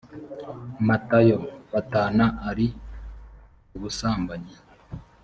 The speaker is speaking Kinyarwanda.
matayo batana ari ubusambanyi